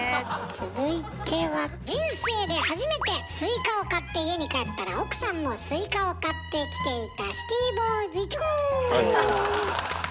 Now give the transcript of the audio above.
続いては人生で初めてスイカを買って家に帰ったら奥さんもスイカを買ってきていたはい。